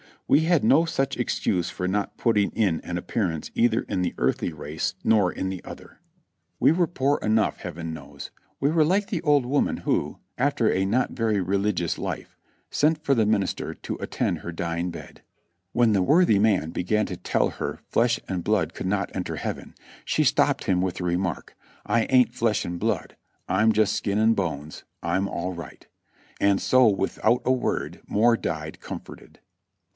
We had no such excuse for not putting in an appearance either in the earthly race nor in the other. We were poor 304 JOHNNY REB AND BII.LY YANK enough, Heaven knows ! We were like the old woman who, after a not very religious life, sent for the minister to attend her dying bed : when the worthy man began to tell her "flesh and blood could not enter heaven," she stopped him with the remark. "I ain't flesh and blood, I'm just skin and bones. I'm all right.'' And so without a word more died comforted.